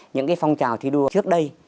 những cái phong trào thi đua trước đây